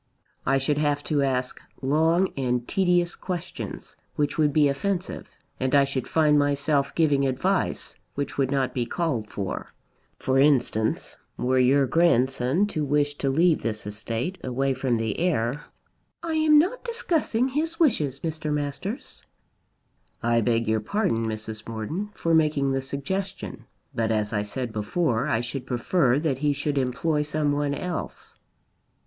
I should have to ask long and tedious questions, which would be offensive. And I should find myself giving advice, which would not be called for. For instance, were your grandson to wish to leave this estate away from the heir " "I am not discussing his wishes, Mr. Masters." "I beg your pardon, Mrs. Morton, for making the suggestion; but as I said before, I should prefer that he should employ some one else."